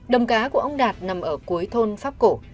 đồng cá của ông đạt nằm ở cuối thôn pháp cổ